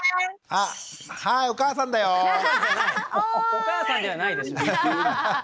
お母さんではないでしょ。